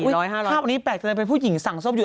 ๔๐๐๕๐๐ปีภาพอันนี้แปลกเป็นผู้หญิงสั่งโทษอยู่